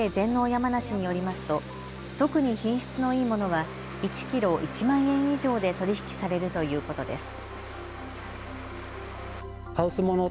やまなしによりますと特に品質のいいものは１キロ１万円以上で取り引きされるということです。